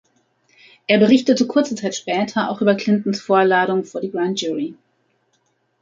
Er berichtete kurze zeit später auch über Clintons Vorladung vor die Grand Jury.